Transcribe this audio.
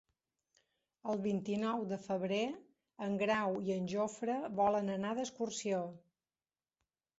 El vint-i-nou de febrer en Grau i en Jofre volen anar d'excursió.